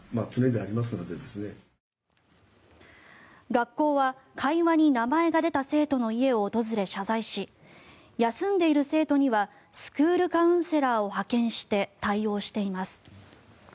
学校は会話に名前が出た生徒の家を訪れ謝罪し休んでいる生徒にはスクールカウンセラーを派遣して対応しています。